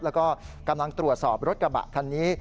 แล้วก็กำลังตรวจสอบรถกระบะคันนี้